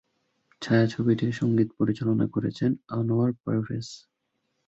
ছায়াছবিটির সঙ্গীত পরিচালনা করেছেন আনোয়ার পারভেজ।